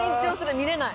見れない。